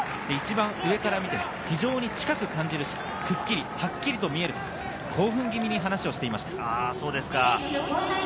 一番上から見ても非常に近く感じるし、くっきりはっきりと見える、興奮気味に話をしていました。